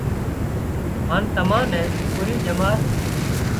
هانَ تمان نين پُوري ڄمار